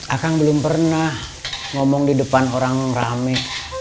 akang belum pernah ngomong di depan orang rame